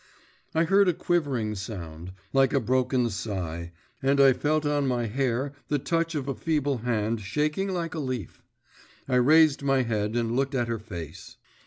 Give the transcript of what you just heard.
… I heard a quivering sound, like a broken sigh and I felt on my hair the touch of a feeble hand shaking like a leaf. I raised my head and looked at her face.